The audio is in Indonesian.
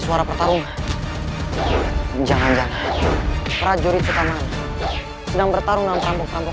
suara pertarungan jangan jangan prajurit sekalian sedang bertarung dengan perampok perampok